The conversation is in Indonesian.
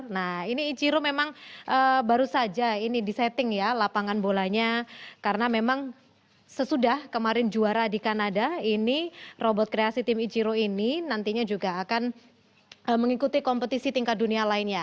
nah ini ichiro memang baru saja ini di setting ya lapangan bolanya karena memang sesudah kemarin juara di kanada ini robot kreasi tim ichiro ini nantinya juga akan mengikuti kompetisi tingkat dunia lainnya